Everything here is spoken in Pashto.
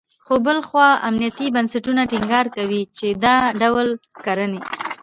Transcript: خو بل خوا امنیتي بنسټونه ټینګار کوي، چې دا ډول کړنې …